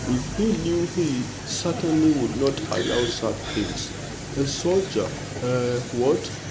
If he knew he certainly would not allow such things. A soldier eh what?